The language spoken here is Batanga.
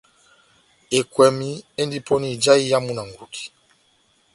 Ekwɛmi endi pɔni ija iyamu na ngudi